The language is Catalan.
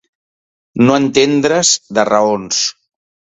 No entendre's de raons.